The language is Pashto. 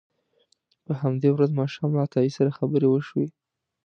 په همدې ورځ ماښام له عطایي سره خبرې وشوې.